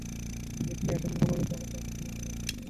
একটি আসন্ন মনোবিপ্লব লুক্কায়িত ছিল এ রহস্যময় নীরবতায়।